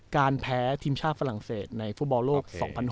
การแพ้ทีมชาติฝรั่งเศสในฟุตบอลโลก๒๐๑๖